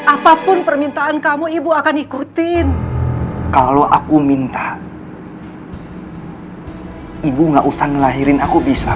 apapun permintaan kamu ibu akan ikutin kalau aku minta ibu nggak usah ngelahirin aku bisa